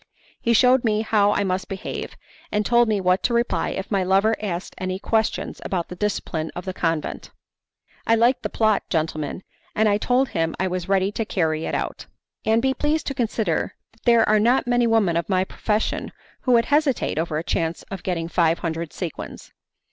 He shewed me how I must behave, and told me what to reply if my lover asked any questions about the discipline of the convent. "I liked the plot, gentlemen, and I told him I was ready to carry it out. And be pleased to consider that there are not many women of my profession who would hesitate over a chance of getting five hundred sequins.